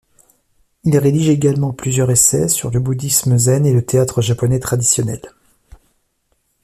Il rédige également plusieurs essais sur le bouddhisme zen et le théâtre japonais traditionnel.